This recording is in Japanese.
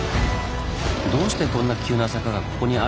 どうしてこんな急な坂がここにあるんでしょう？